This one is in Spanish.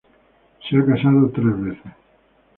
Se ha casado tres veces.